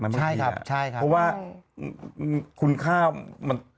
เพราะว่าคุณค่ามัน